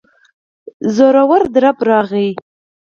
زورور درب راغی.